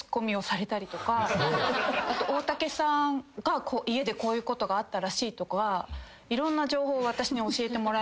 あと大竹さんが家でこういうことがあったらしいとかいろんな情報を私に教えてもらえる。